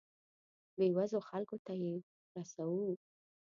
بیوزلو خلکو ته یې رسوو.